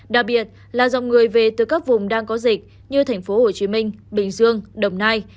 đặc biệt là dòng người về từ các vùng đang có dịch như thành phố hồ chí minh bình dương đồng nai